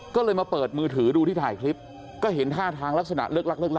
ก็เลยมาเปิดมือถือดูที่ถ่ายคลิปก็เห็นท่าทางลักษณะเลิกลักเลิก